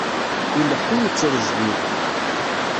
Ileḥḥu yettrejdil.